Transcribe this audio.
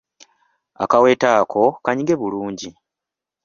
Akaweta ako kanyige bulungi.